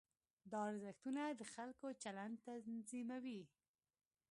دا ارزښتونه د خلکو چلند تنظیموي.